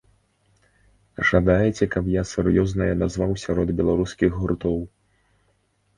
Жадаеце каб я сур'ёзнае назваў сярод беларускіх гуртоў?